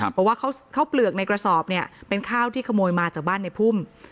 เพราะว่าข้าวเปลือกในกระสอบเนี่ยเป็นข้าวที่ขโมยมาจากบ้านในพุ่ม